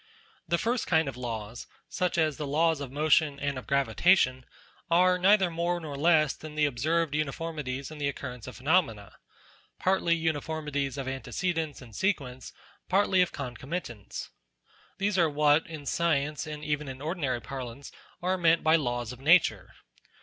The first kind of laws, such as the laws of motion, and of gravitation, are neither more nor less than the ob served uniformities in the occurrence of phenomena : partly uniformities of antecedence and sequence, partly of concomitance. These are what, in science, and even in ordinary parlance, are meant by laws of nature.